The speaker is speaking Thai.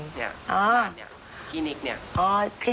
คินิกนี่